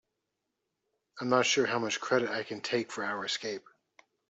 I'm not sure how much credit I can take for our escape.